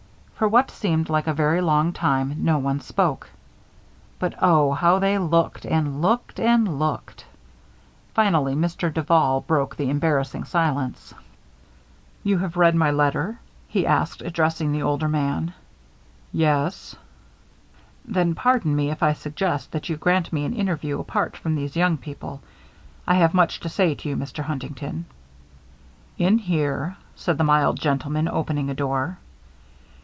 For what seemed like a very long time, no one spoke. But oh, how they looked and looked and looked! Finally, Mr. Duval broke the embarrassing silence. [Illustration: JEANNE, LEFT ALONE WITH THE STRANGERS, INSPECTED THEM WITH INTEREST] "You have read my letter?" he asked, addressing the older man. "Yes." "Then pardon me, if I suggest that you grant me an interview apart from these young people. I have much to say to you, Mr. Huntington." "In here," said the mild gentleman, opening a door.